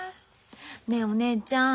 ねえお姉ちゃん